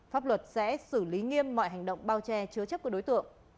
pháp luật sẽ xử lý nghiêm mọi hành động bao che chứa chấp của đối tượng